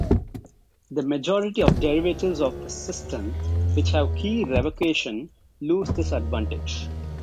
The majority of derivatives of this system which have key revocation lose this advantage.